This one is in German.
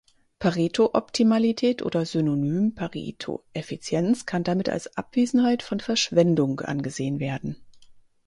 Pareto-Optimalität oder synonym Pareto-Effizienz kann damit als Abwesenheit von Verschwendung angesehen werden.